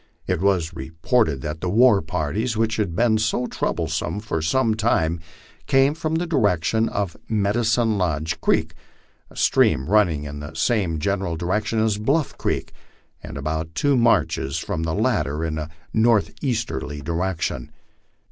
It was reported that the war parties, which had been so troublesome for some time, came from the direction of Medicine Lodge creek, a stream running in the same general di rection as Bluff creek, and about two marches from the latter in a northeaster ly direction.